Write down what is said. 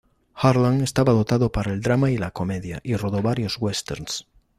Harlan estaba dotado para el drama y la comedia, y rodó varios westerns.